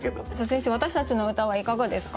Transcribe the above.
先生私たちの歌はいかがですか？